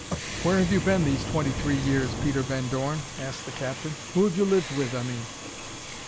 "Where have you been these twenty three years, Peter Van Dorn?" asked the captain. "Who have you lived with, I mean?"